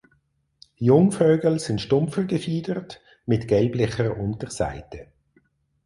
Jungvögel sind stumpfer gefiedert mit gelblicher Unterseite.